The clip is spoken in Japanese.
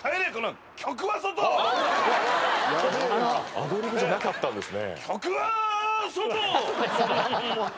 「アドリブじゃなかったんですね」